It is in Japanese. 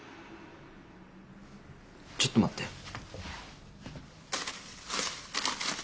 ちょっと待って。